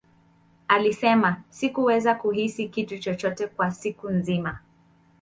Alisema, Sikuweza kuhisi kitu chochote kwa siku nzima.